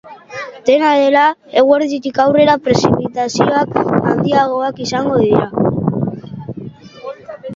Dena dela, eguerditik aurrera prezipitazioak handiagoak izango dira.